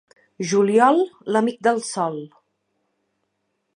Juliol, l'amic del sol.